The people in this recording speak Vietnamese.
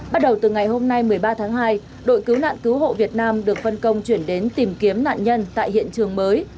bắt đầu từ ngày hôm nay một mươi ba tháng hai đội cứu nạn cứu hộ việt nam được phân công chuyển đến tìm kiếm nạn nhân tại hiện trường mới